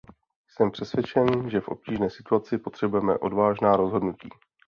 Jsem přesvědčen, že v obtížné situaci potřebujeme odvážná rozhodnutí.